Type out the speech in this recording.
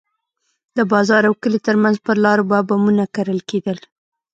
د بازار او کلي ترمنځ پر لارو به بمونه کرل کېدل.